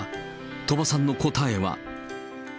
鳥羽さんの答えは。